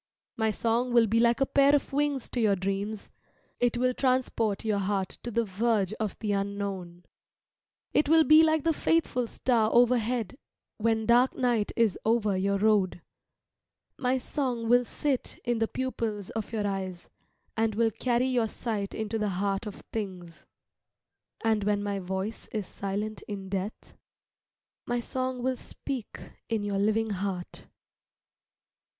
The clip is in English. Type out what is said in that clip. My song will be like a pair of wings to your dreams, it will transport your heart to the verge of the unknown. It will be like the faithful star overhead when dark night is over your road. My song will sit in the pupils of your eyes, and will carry your sight into the heart of things. And when my voice is silent in death, my song will speak in your living heart.